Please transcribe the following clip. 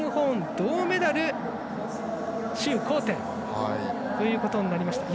銅メダル周洪転ということになりました。